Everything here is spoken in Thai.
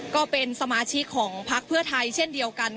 ก็เป็นสมาชิกของพักเพื่อไทยเช่นเดียวกัน